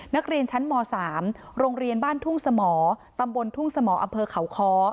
นักเรียนชั้นม๓โรงเรียนบ้านทุ่งสมตำบลทุ่งสมอำเภอเขาค้อ